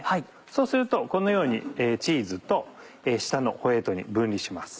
そうするとこのようにチーズと下のホエーに分離します。